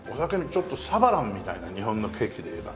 ちょっとサバランみたいな日本のケーキでいえば。